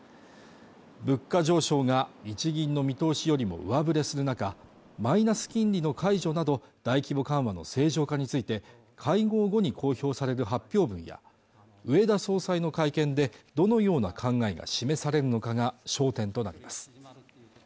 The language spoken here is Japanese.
物価上昇が日銀の見通しよりも上振れする中マイナス金利の解除など大規模緩和の正常化について会合後に公表される発表文や植田総裁の会見でどのような考えが示されるのかが焦点となります